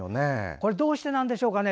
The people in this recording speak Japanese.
これどうしてなんでしょうかね？